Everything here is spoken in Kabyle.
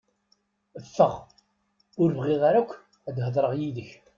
Ffeɣ! Ur bɣiɣ ara akk ad heḍṛeɣ yid-k!